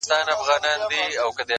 له ازله مي راوړي پر تندي باندي زخمونه.!